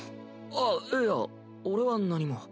あっいや俺は何も。